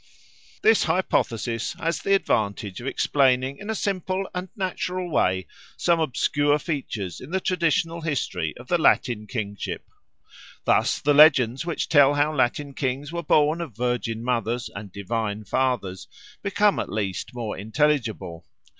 This hypothesis has the advantage of explaining in a simple and natural way some obscure features in the traditional history of the Latin kingship. Thus the legends which tell how Latin kings were born of virgin mothers and divine fathers become at least more intelligible.